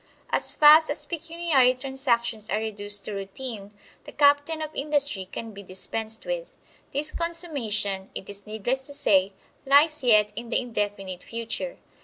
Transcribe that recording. As fast as pecuniary transactions are reduced to routine, the captain of industry can be dispensed with. This consummation, it is needless to say, lies yet in the indefinite future.